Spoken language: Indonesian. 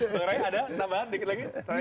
so ray ada tambahan dikit lagi